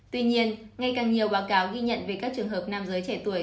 tuy nhiên ngay càng nhiều báo cáo ghi nhận về các trường hợp nam giới trẻ tuổi